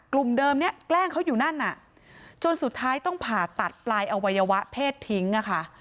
กลุ่มเดิมเนี่ยแกล้งเขาอยู่นั่นน่ะจนสุดท้ายต้องผ่าตัดปลายอวัยวะเพศทิ้งอะค่ะ